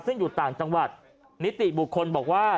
ซึ่งอยู่ต่างจังหวัดนิติบุคคลบอกว่า